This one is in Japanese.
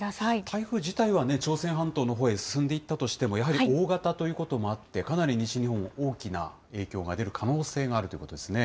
台風自体は朝鮮半島のほうへ進んでいったとしても、やはり大型ということもあって、かなり西日本には大きな影響が出る可能性があるということですね。